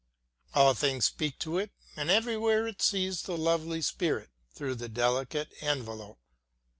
All things speak to it, and everywhere it sees the lovely spirit through the delicate envelope.